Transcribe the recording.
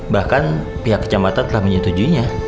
bahkan pihak kecamatan telah menyetujuinya